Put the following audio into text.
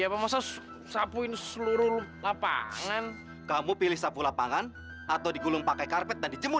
ya pemirsa sapuin seluruh lapangan kamu pilih sapu lapangan atau digulung pakai karpet dan dijemur